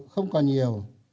không còn nhiều